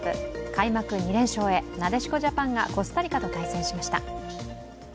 開幕２連勝へ、なでしこジャパンがコスタリカと対戦しました。